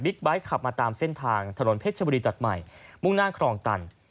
ไบท์ขับมาตามเส้นทางถนนเพชรชบุรีตัดใหม่มุ่งหน้าครองตัน